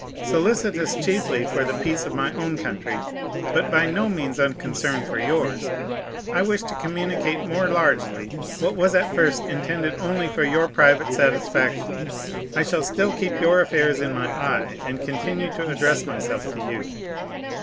Solicitous chiefly for the peace of my own country, but by no means unconcerned for yours, I wish to communicate more largely what was at first intended only for your private satisfaction. I shall still keep your affairs in my eye, and continue to address myself to you.